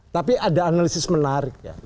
tapi ada analisis menarik ya